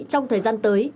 trong thời gian tới